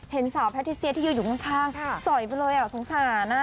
เห็นสาวแพทิเซียที่ยืนอยู่ข้างสอยไปเลยสงสาร